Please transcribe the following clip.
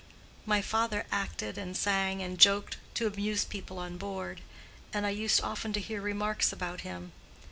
My father acted and sang and joked to amuse people on board, and I used often to hear remarks about him.